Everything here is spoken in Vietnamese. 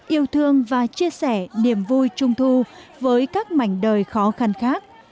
yêu thương và chia sẻ niềm vui trung thu với các mảnh đời khó khăn khác